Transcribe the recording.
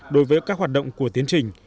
đối với các hoạt động của tiến trình